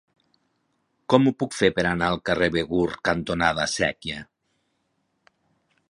Com ho puc fer per anar al carrer Begur cantonada Sèquia?